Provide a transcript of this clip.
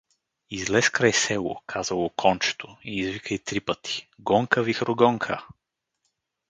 — Излез край село — казало кончето — и извикай три пъти: „Гонка-вихрогонка!